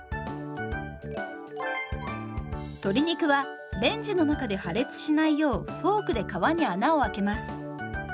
鶏肉はレンジの中で破裂しないようフォークで皮に穴をあけます。